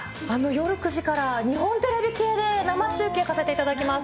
夜９時から日本テレビ系で生中継させていただきます。